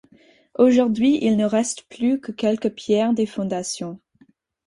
Aujourd'hui, il ne reste plus que quelques pierres des fondations.